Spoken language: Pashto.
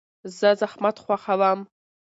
زه زحمت خوښوم.